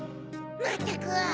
まったく！